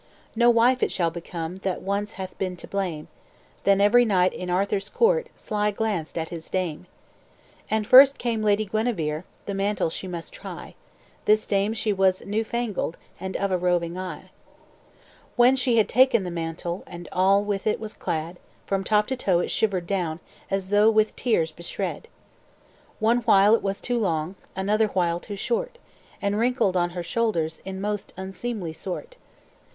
"'No wife it shall become, That once hath been to blame.' Then every knight in Arthur's court Sly glanced at his dame. "And first came Lady Guenever, The mantle she must try. This dame she was new fangled, And of a roving eye. "When she had taken the mantle, And all with it was clad, From top to toe it shivered down, As though with shears beshred. "One while it was too long, Another while too short, And wrinkled on her shoulders, In most unseemly sort.